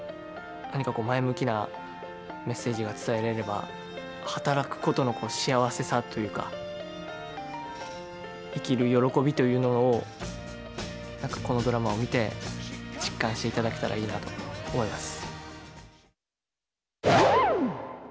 何か前向きなメッセージが伝えられれば、働くことの幸せさというか、生きる喜びというのをなんかこのドラマを見て、実感していただけたらないいなと思います。